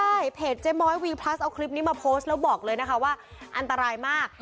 ใช่เพจเจ๊ม้อยวีพลัสเอาคลิปนี้มาโพสต์แล้วบอกเลยนะคะว่าอันตรายมาก